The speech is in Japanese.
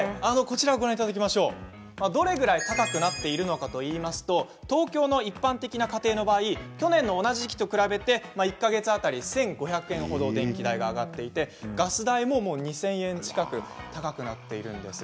どれくらい高くなっているのかといいますと、東京の一般的な家庭の場合去年の同じ時期と比べて１か月当たり１５００円程電気代が上がっていてガス代も２０００円近く高くなっているんです。